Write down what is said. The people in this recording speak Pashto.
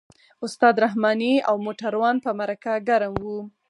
استاد رحماني او موټروان په مرکه ګرم وو.